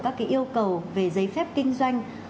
các cái yêu cầu về giấy phép kinh doanh